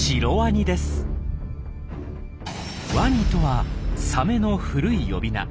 「ワニ」とはサメの古い呼び名。